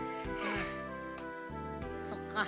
そっか。